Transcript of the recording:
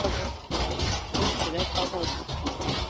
肯普顿公园是位于南非豪登省的一个城市。